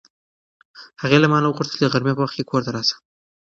هغې له ما نه وغوښتل چې د غرمې په وخت کې کور ته راشه.